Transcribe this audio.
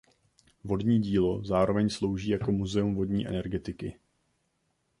Vodní dílo zároveň slouží jako muzeum vodní energetiky.